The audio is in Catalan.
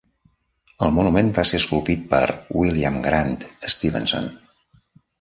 El monument va ser esculpit per William Grant Stevenson.